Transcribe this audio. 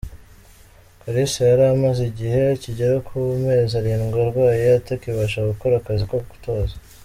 Kalisa yari amaze igihe kigera ku mezi arindwi arwaye atakibasha gukora akazi ko gutoza.